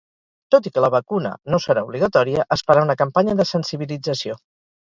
Tot i que la vacuna no serà obligatòria, es farà una campanya de sensibilització.